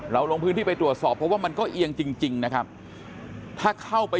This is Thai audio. ลงพื้นที่ไปตรวจสอบเพราะว่ามันก็เอียงจริงนะครับถ้าเข้าไป